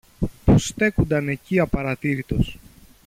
που στέκουνταν εκεί απαρατήρητος.